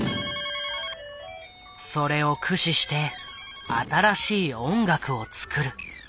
それを駆使して新しい音楽を作る。